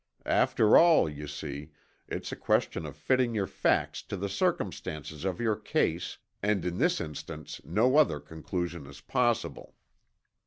After all, you see, it's a question of fitting your facts to the circumstances of your case and in this instance no other conclusion is possible."